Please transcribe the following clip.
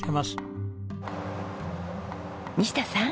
西田さん。